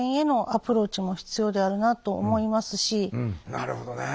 なるほどね。